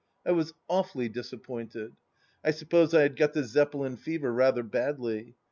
I was awfully dis appointed. I suppose I had got the Zeppelin fever rather badly.